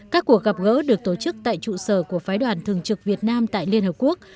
các cuộc gặp gỡ được tổ chức tại trụ sở của phái đoàn thường trực việt nam tại liên hợp quốc